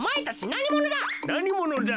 なにものだ？